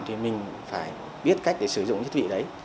thì mình phải biết cách để sử dụng thiết bị đấy